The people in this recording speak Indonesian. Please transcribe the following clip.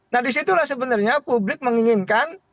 nah disitulah sebenarnya publik menginginkan